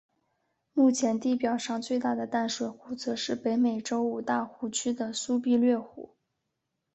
目前地表上最大的淡水湖则是北美洲五大湖区的苏必略湖。